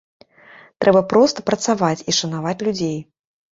Трэба проста працаваць і шанаваць людзей.